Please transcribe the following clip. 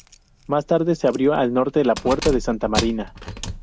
Más tarde, se abrió al norte la Puerta de Santa Marina.